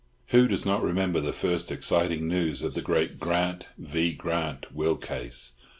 Who does not remember the first exciting news of the great Grant v. Grant will case?